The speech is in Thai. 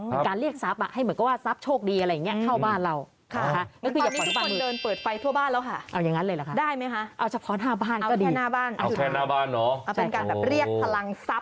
เป็นการเรียกทรัพย์ให้เหมือนกับว่าทรัพย์โชคดีอะไรอย่างนี้เข้าบ้านเรา